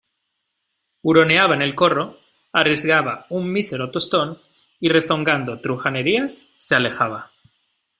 huroneaba en el corro, arriesgaba un mísero tostón , y rezongando truhanerías se alejaba.